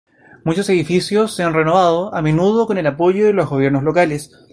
Muchos edificios se han renovado, a menudo con el apoyo de los gobiernos locales.